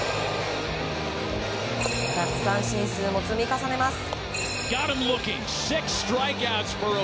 奪三振数も積み重ねます。